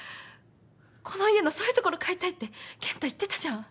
この家のそういうところを変えたいって健太言ってたじゃん。